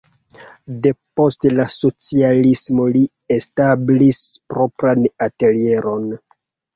Depost la socialismo li establis propran atelieron.